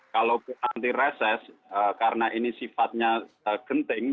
kalau anti reses karena ini sifatnya genting